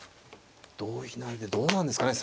同飛成でどうなんですかね